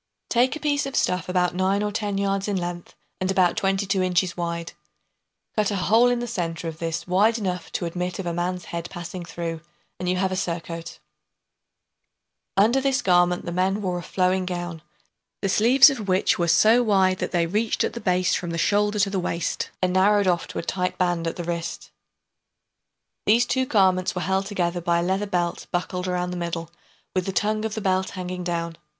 Take a piece of stuff about 9 or 10 yards in length and about 22 inches wide; cut a hole in the centre of this wide enough to admit of a man's head passing through, and you have a surcoat. [Illustration: {A simple surcoat pattern}] [Illustration: A MAN OF THE TIME OF JOHN (1199 1216)] Under this garment the men wore a flowing gown, the sleeves of which were so wide that they reached at the base from the shoulder to the waist, and narrowed off to a tight band at the wrist. These two garments were held together by a leather belt buckled about the middle, with the tongue of the belt hanging down.